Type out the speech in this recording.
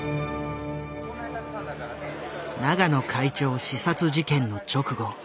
永野会長刺殺事件の直後